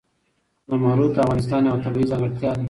زمرد د افغانستان یوه طبیعي ځانګړتیا ده.